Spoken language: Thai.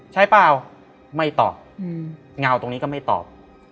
ใช่เปล่าไม่ตอบเงาตรงนี้ก็ไม่ตอบ